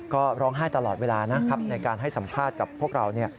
ก็ร้องไห้ตลอดเวลานะครับในการให้สัมภาษณ์กับพวกเรา